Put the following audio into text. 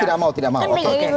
tidak mau tidak mau